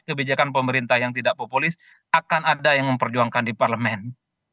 kebijakan pemerintah yang tidak populis akan ada yang memperjuangkan di parlemen